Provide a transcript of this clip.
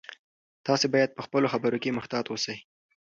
تاسي باید په خپلو خبرو کې محتاط اوسئ.